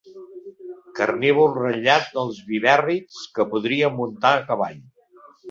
Carnívor ratllat dels vivèrrids que podria muntar a cavall.